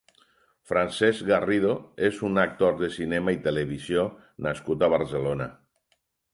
Francesc Garrido és un actor de cinema i televisió nascut a Barcelona.